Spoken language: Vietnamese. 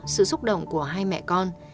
sự xúc động của hai mẹ con